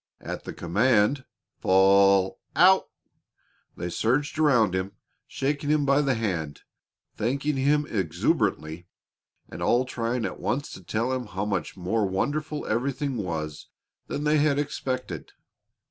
At the command, "Fall out!" they surged around him, shaking him by the hand, thanking him exuberantly, and all trying at once to tell him how much more wonderful everything was than they had expected.